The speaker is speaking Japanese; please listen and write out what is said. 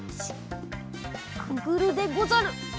くぐるでござる。